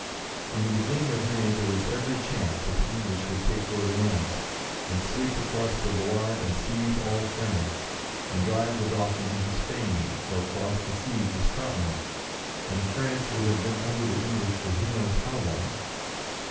In the beginning of May there was every chance that the English would take Orleans, and sweep across the Loire, and seize all France, and drive the Dauphin into Spain, or across the sea to Scotland, and France would have been under the English for who knows how long.